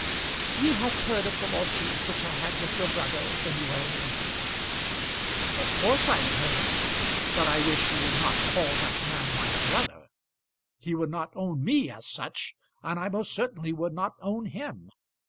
"You have heard of the lawsuit which I had with your brother when you were an infant?" "Of course I have heard of it; but I wish you would not call that man my brother. He would not own me as such, and I most certainly would not own him.